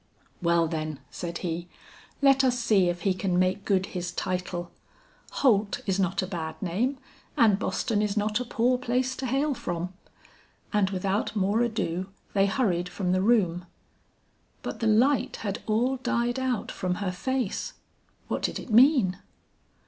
'Well then,' said he, 'let us see if he can make good his title; Holt is not a bad name and Boston is not a poor place to hail from.' And without more ado, they hurried from the room. But the light had all died out from her face! What did it mean?